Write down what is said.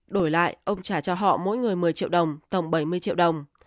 đổi lại ông trả cho họ mỗi người một mươi triệu đồng tổng bảy mươi triệu đồng